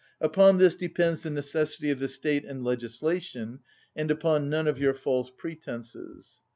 Upon this depends the necessity of the State and legislation, and upon none of your false pretences.